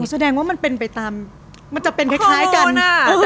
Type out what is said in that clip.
อ้อแสดงว่ามันเป็นไปตามมันจะเป็นคล้ายกันฮรมมณ์อะ